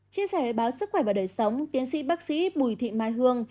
chia sẻ báo sức khỏe và đời sống tiến sĩ bác sĩ bùi thị mai hương